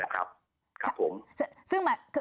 ครับผม